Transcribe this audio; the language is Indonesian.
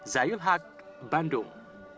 zayul haq bandung